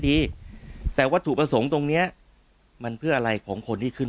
ดีแต่วัตถุประสงค์ตรงเนี้ยมันเพื่ออะไรของคนที่ขึ้น